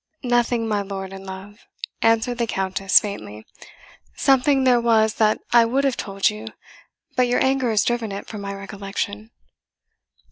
"Nothing, my lord and love," answered the Countess faintly; "something there was that I would have told you, but your anger has driven it from my recollection."